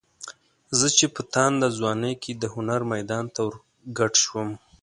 زه چې په تانده ځوانۍ کې د هنر میدان ته ورګډ شوم.